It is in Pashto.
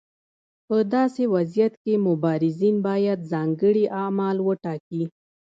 په داسې وضعیت کې مبارزین باید ځانګړي اعمال وټاکي.